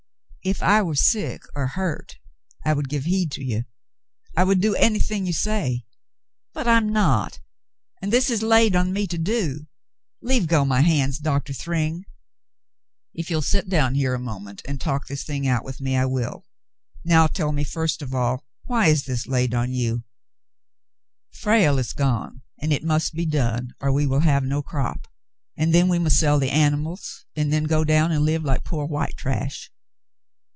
"If I were sick or hurt, I would give heed to you, I would do anything you say ; but I'm not, and this is laid on me to do. Leave go my hands. Doctor Thryng." "If you'll sit down here a moment and talk this thing out with me, I will. Now tell me first of all, why is this laid on you?" id The Voices 117 "Frale is gone and it must be done, or we will have no crop, and then we must sell the animals, and then go down and live like poor white trash."